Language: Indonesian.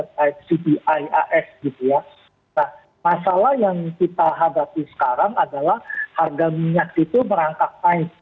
nah masalah yang kita hadapi sekarang adalah harga minyak itu merangkak naik